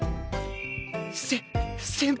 せ先輩！